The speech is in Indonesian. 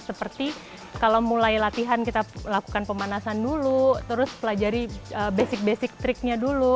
seperti kalau mulai latihan kita lakukan pemanasan dulu terus pelajari basic basic triknya dulu